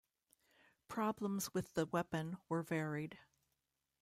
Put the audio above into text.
Problems with the weapon were varied.